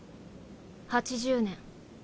８０年。